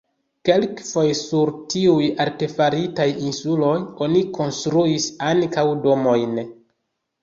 Kelkfoje sur tiuj artefaritaj insuloj oni konstruis ankaŭ domojn.